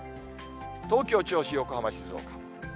東京、銚子、横浜、静岡。